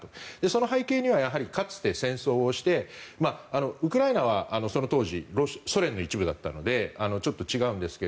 その背景には、かつて戦争をしてウクライナはその当時ソ連の一部だったのでちょっと違うんですが